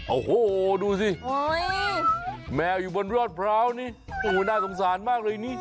โอ้โหดูสิแมวอยู่บนรอดพร้าวนี่โอ้โหน่าสงสารมากเลยนี่